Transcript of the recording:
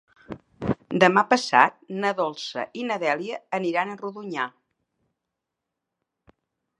Demà passat na Dolça i na Dèlia aniran a Rodonyà.